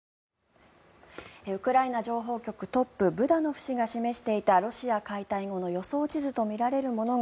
ウクライナ情報局トップブダノフ氏が示していたロシア解体後の予想地図とみられるものが